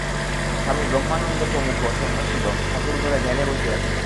স্বামী ব্রহ্মানন্দ-প্রমুখ সন্ন্যাসিগণ ঠাকুর-ঘরে ধ্যানে বসিয়াছেন।